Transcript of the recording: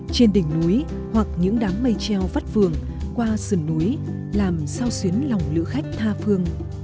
trên đỉnh núi hoặc những đám mây treo vắt vườn qua sườn núi làm sao xuyến lòng lữ khách tha phương